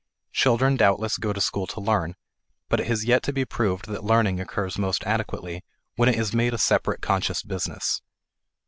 Children doubtless go to school to learn, but it has yet to be proved that learning occurs most adequately when it is made a separate conscious business.